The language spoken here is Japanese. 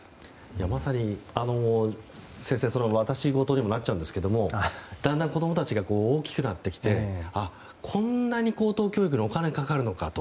まさに、先生私ごとにもなっちゃうんですがだんだん子供たちが大きくなってきてああ、こんなに高等教育にお金がかかるのかと。